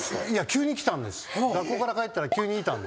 急に来たんです。